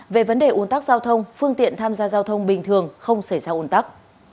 về vấn đề ủn tắc giao thông phương tiện tham gia giao thông bình thường không xảy ra ồn tắc